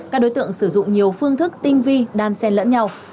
các đối tượng sử dụng nhiều phương thức tinh vi đan xen lẫn nhau